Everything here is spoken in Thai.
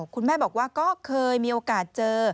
คุณแม่บอกว่าก็เคยมีโอกาสเจอ